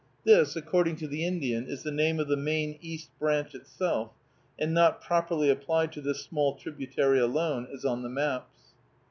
This, according to the Indian, is the name of the main East Branch itself, and not properly applied to this small tributary alone, as on the maps.